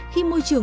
khi môi trường